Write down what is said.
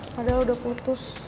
padahal udah putus